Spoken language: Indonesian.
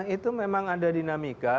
itu memang ada dinamika